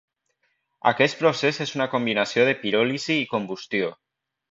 Aquest procés és una combinació de piròlisi i combustió.